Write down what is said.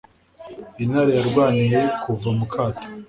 Intare yarwaniye kuva mu kato